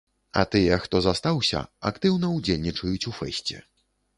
А тыя, хто застаўся, актыўна ўдзельнічаюць у фэсце.